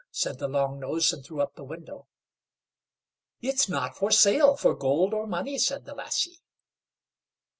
said the Long nose, and threw up the window. "It's not for sale, for gold or money," said the lassie.